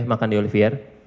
makan di olivier